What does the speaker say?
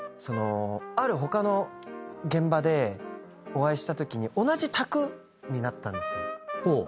ある他の現場でお会いしたときに同じ卓になったんですよ。